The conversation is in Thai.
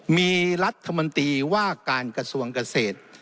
มีรัฐมนตรีว่าการกระทรวงเกษตร